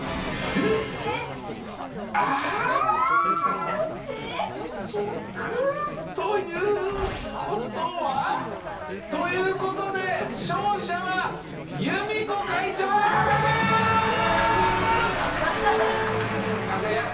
うわどっち！？ということは。ということで勝者は有美子会長の佐賀牛！